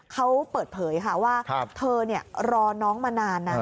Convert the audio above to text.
เขาเปิดเผยค่ะว่าเธอรอน้องมานานนะ